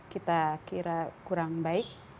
kita kira kurang baik